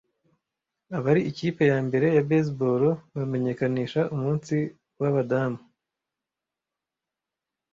abari ikipe ya mbere ya baseball bamenyekanisha umunsi wabadamu